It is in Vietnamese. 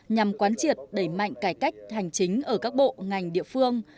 nhằm quán triệt đẩy mạnh cải cách hành chính ở các bộ ngành địa phương